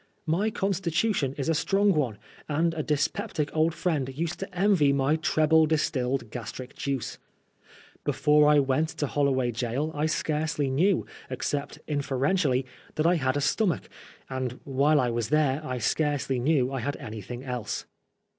My constitution is a strong one, and a dyspeptic old friend used to envy my " treble distilled gastric juice." Before 1 went to HoUoway Gaol I scarcely knew, except inferentially, that I had a stomach ; and while I was there I scarcely knew I had anything else.